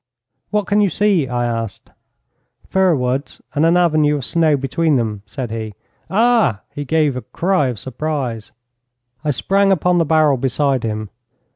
'What can you see?' I asked. 'Fir woods and an avenue of snow between them,' said he. 'Ah!' he gave a cry of surprise. I sprang upon the barrel beside him.